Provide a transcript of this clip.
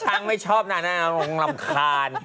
ช้างไม่ชอบน่ะน่าคงรำคาญ